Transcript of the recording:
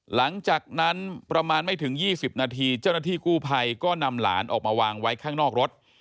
หลังจากนั้นประมาณไม่ถึง๒๐นาทีเจ้าหน้าที่กู้ภัยก็นำหลานออกมาวางไว้ข้างนอกรถ